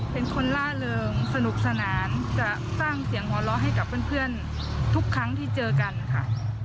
เป็นคนล่าเริงสนุกสนานจะสร้างเสียงหัวเราะให้กับเพื่อนทุกครั้งที่เจอกันค่ะ